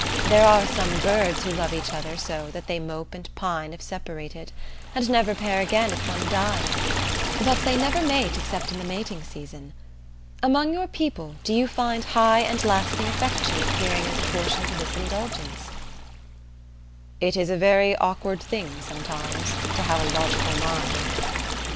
There are some birds who love each other so that they mope and pine if separated, and never pair again if one dies, but they never mate except in the mating season. Among your people do you find high and lasting affection appearing in proportion to this indulgence?" It is a very awkward thing, sometimes, to have a logical mind.